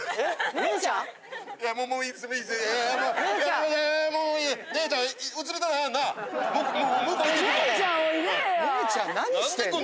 姉ちゃん何してんの？